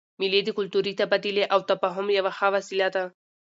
مېلې د کلتوري تبادلې او تفاهم یوه ښه وسیله ده.